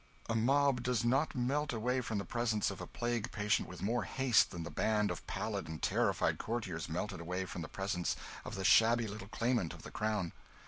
A mob does not melt away from the presence of a plague patient with more haste than the band of pallid and terrified courtiers melted away from the presence of the shabby little claimant of the Crown.